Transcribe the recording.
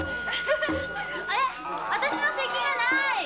あたしの席がない。